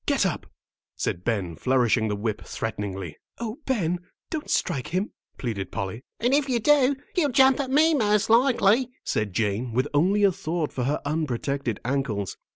"Get up," said Ben, flourishing the whip threateningly. "Oh, Ben, don't strike him," pleaded Polly. "And if you do, he'll jump at me, most likely," said Jane, with only a thought for her unprotected ankles.